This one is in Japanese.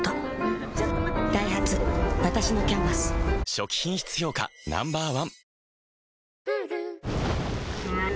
初期品質評価Ｎｏ．１